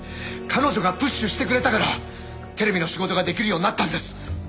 彼女がプッシュしてくれたからテレビの仕事ができるようになったんです。